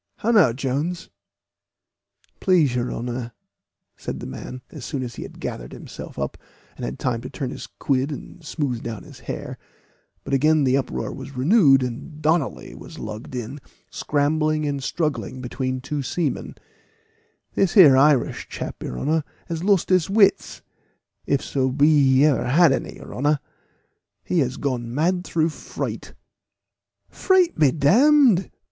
"How now, Jones?" "Please your honor," said the man, as soon as he had gathered himself up, and had time to turn his quid and smooth down his hair; but again the uproar was renewed, and Donnally was lugged in, scrambling and struggling between two seamen "this here Irish chap, your honor, has lost his wits, if so be he ever had any, your honor. He has gone mad through fright." "Fright be d d!"